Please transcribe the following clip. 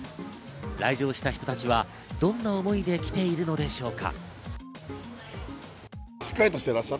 来場した人たちはどんな思いで来ているのでしょうか。